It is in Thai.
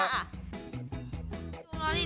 จุดร้อนดีนะ